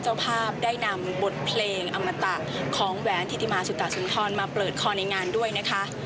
เจ้าภาพได้นำบทเพลงอมตะของแหวนธิติมาสุตะสุนทรมาเปิดคอในงานด้วยนะคะ